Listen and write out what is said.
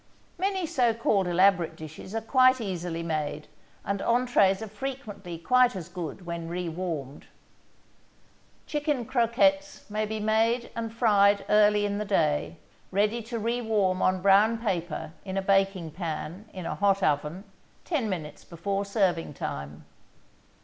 Many so called elaborate dishes are quite easily made, and entrées are frequently quite as good when rewarmed. Chicken croquettes may be made and fried early in the day, ready to rewarm on brown paper in a baking pan in a hot oven ten minutes before serving time.